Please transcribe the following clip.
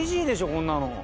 こんなの。